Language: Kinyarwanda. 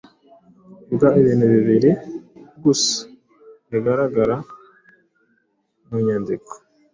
Vuga ibintu bibiri gusa bigaragara mu mwandiko